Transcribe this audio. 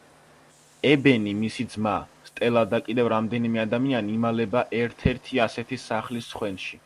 ებენი, მისი ძმა, სტელა და კიდევ რამდენიმე ადამიანი იმალება ერთ-ერთი ასეთი სახლის სხვენში.